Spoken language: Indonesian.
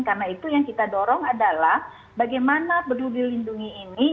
karena itu yang kita dorong adalah bagaimana peduli lindungi ini